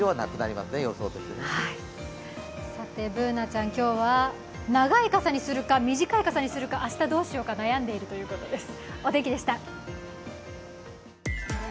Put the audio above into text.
Ｂｏｏｎａちゃん、今日は長い傘にするか、短い傘にするか、明日どうしようか悩んでいるということです。